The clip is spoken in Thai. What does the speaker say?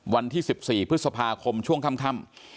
วันที่๑๔พฤษภาคมช่วงค่ำ